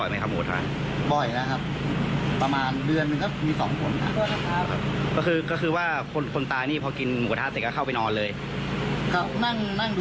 จนนอนหลับไปพักหนึ่งแล้วล่ะแล้วมีโรคประจำตัวมีอะไรบ้างไหม